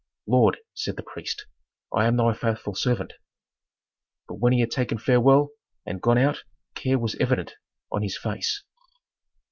"Lord," said the priest, "I am thy faithful servant." But when he had taken farewell and gone out care was evident on his face.